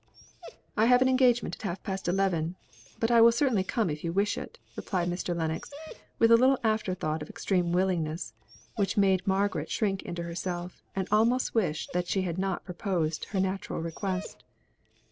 "I have an engagement at half past eleven. But I will certainly come if you wish it," replied Mr. Lennox with a little after thought of extreme willingness, which made Margaret shrink into herself, and almost wish that she had not proposed her natural request.